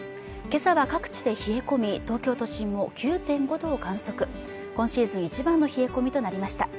今朝は各地で冷え込み東京都心も９．５度を観測今シーズン一番の冷え込みとなりました